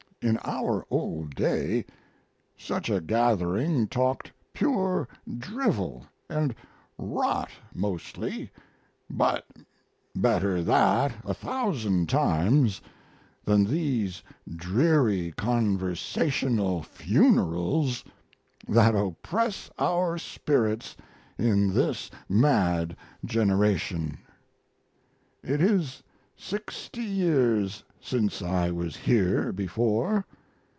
In our old day such a gathering talked pure drivel and "rot," mostly, but better that, a thousand times, than these dreary conversational funerals that oppress our spirits in this mad generation. It is sixty years since I was here before.